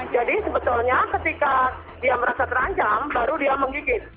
jadi sebetulnya ketika dia merasa terancam baru dia menggigit